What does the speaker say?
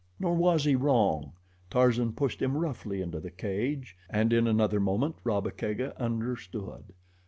Nor was he wrong. Tarzan pushed him roughly into the cage, and in another moment Rabba Kega understood.